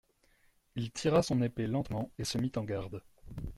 Il tira son épée lentement et se mit en garde.